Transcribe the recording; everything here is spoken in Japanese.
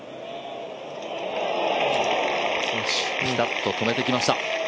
ピタッと止めてきました。